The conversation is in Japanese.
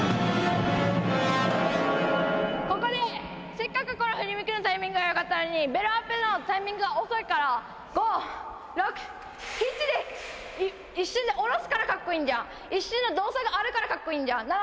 ここで、せっかくこの振り向きのタイミングかよかったのに、ベルアップのタイミングが遅いから、５、６、７で、一瞬で下ろすからかっこいいんじゃん、一瞬の動作があるからかっこいいんじゃん。